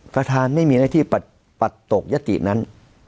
ประธานไม่มีหน้าที่ปัดตกยตินั้น